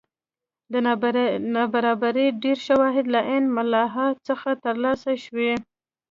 د نابرابرۍ ډېر شواهد له عین ملاحا څخه ترلاسه شوي.